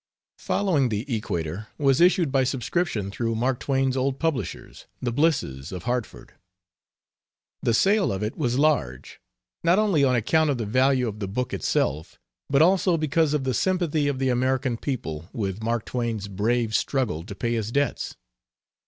Following the Equator was issued by subscription through Mark Twain's old publishers, the Blisses, of Hartford. The sale of it was large, not only on account of the value of the book itself, but also because of the sympathy of the American people with Mark Twain's brave struggle to pay his debts.